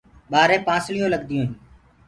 ٻآرهي پانسݪیونٚ لگدیونٚ هيٚنٚ۔